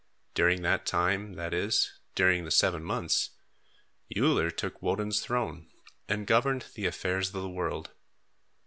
During that time, that is, during seven months, Uller took Woden's throne and governed the affairs of the world.